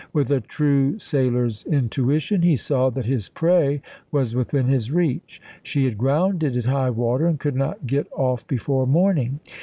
With a true sailor's in tuition he saw that his prey was within his reach. She had grounded at high water and could not get off before morning.